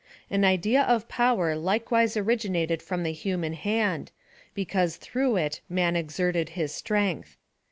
An idea of power likewise origin ated from the human hand, because through it man exerted his strength.